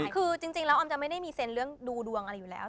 คือจริงแล้วออมจะไม่ได้มีเซ็นเรื่องดูดวงอะไรอยู่แล้ว